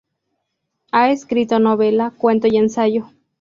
Ha escrito novela, cuento y ensayo.